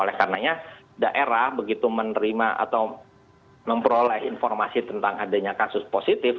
oleh karenanya daerah begitu menerima atau memperoleh informasi tentang adanya kasus positif